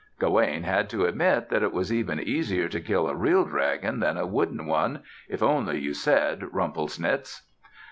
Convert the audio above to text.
Gawaine had to admit that it was even easier to kill a real dragon than a wooden one if only you said "Rumplesnitz."